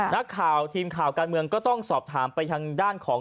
ทีมข่าวทีมข่าวการเมืองก็ต้องสอบถามไปทางด้านของ